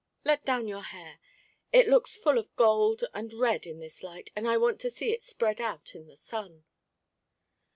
Let down your hair. It looks full of gold and red in this light, and I want to see it spread out in the sun."